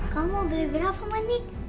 kamu mau beli berapa monik